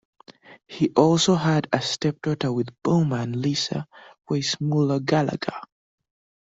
He also had a stepdaughter with Baumann, Lisa Weissmuller-Gallagher.